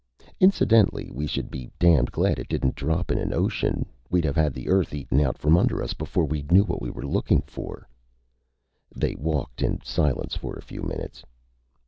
"Incidentally, we should be damned glad it didn't drop in an ocean. We'd have had the Earth eaten out from under us before we knew what we were looking for." They walked in silence for a few minutes.